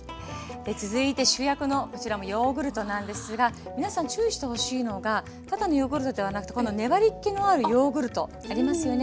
続いて主役のヨーグルトなんですが皆さん注意してほしいのがただのヨーグルトではなくて粘りけのあるヨーグルトありますよね。